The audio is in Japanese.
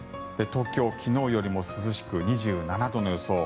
東京、昨日よりも涼しく２７度の予想。